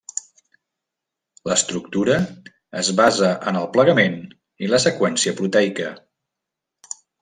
L’estructura es basa en el plegament i la seqüència proteica.